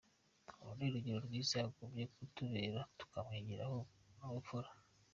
Uru ni urugero rwiza yagombwe kutubera, tukamwigiraho n’ubupfura».